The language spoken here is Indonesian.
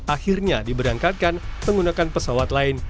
akhirnya diberangkatkan menggunakan pesawat lain